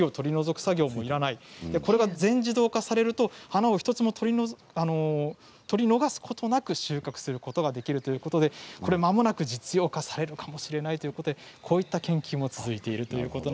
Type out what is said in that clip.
これが全自動化されると花を１つも取り逃すこともなく収穫できるということでまもなく実用化されるかもしれないというこういう研究も続いています。